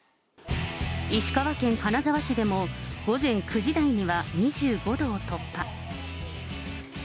石川県金沢市でも、午前９時台には２５度を突破。